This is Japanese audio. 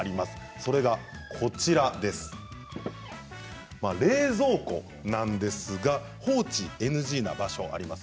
それが冷蔵庫なんですが放置ＮＧな場所があります。